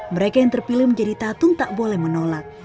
mereka yang terpilih menjadi tatung tak boleh menolak